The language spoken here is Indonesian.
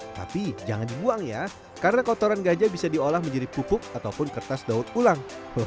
tapi jangan dibuang ya karena kotoran gajah bisa diolah menjadi pupuk ataupun kertas daun ulang